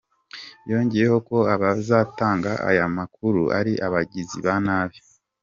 Yongeyeho ko abatangaza aya makuru ari abagizi ba nabi.